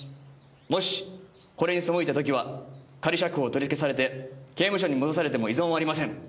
「もしこれに背いた時は仮釈放を取り消されて刑務所に戻されても異存はありません」